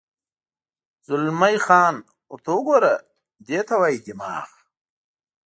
زلمی خان: ورته وګوره، دې ته وایي دماغ.